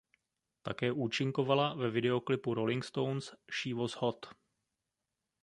Také účinkovala ve videoklipu Rolling Stones "She Was Hot".